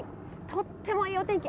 とってもいいお天気